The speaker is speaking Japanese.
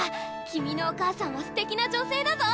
君のお母さんはすてきな女性だぞ！